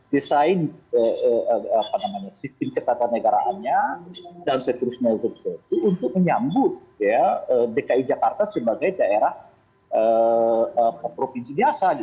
desain sistem ketatanegaraannya dan seterusnya itu untuk menyambut dki jakarta sebagai daerah provinsi biasa